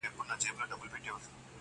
o څه یې مسجد دی څه یې آذان دی.